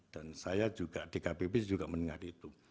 dan saya juga di kpp juga mendengar itu